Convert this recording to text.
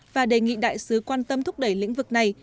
và đề nghị đại sứ quan tâm thúc đẩy lĩnh vực này